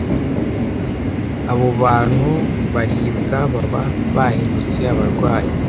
abo bantu baribwa baba bahindutse abarwayi